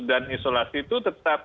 dan isolasi itu tetap